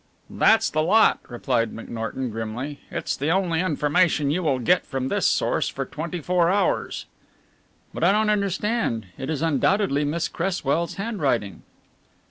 "That's the lot," replied McNorton grimly. "It's the only information you will get from this source for twenty four hours." "But I don't understand, it is undoubtedly Miss Cresswell's handwriting."